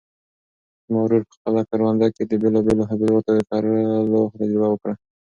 زما ورور په خپله کرونده کې د بېلابېلو حبوباتو د کرلو تجربه وکړه.